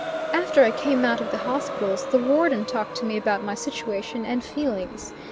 After I came out of the hospitals the Warden talked to me about my situation and feelings.